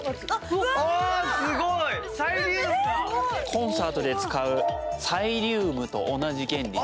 コンサートで使うサイリウムと同じ原理で。